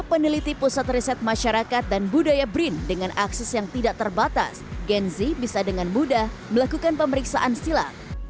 peneliti pusat riset masyarakat dan budaya brin dengan akses yang tidak terbatas gen z bisa dengan mudah melakukan pemeriksaan silat